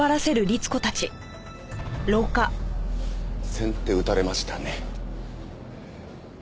先手打たれましたね。